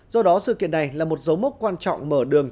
do đó sự kiện này là một dấu mốc quan trọng mở đường